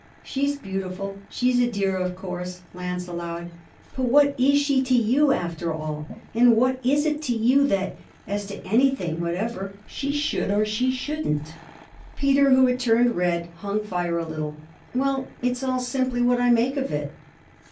'She's beautiful she's a dear of course,' Lance allowed; 'but what is she to you, after all, and what is it to you that, as to anything whatever, she should or she shouldn't?' Peter, who had turned red, hung fire a little. 'Well it's all simply what I make of it.'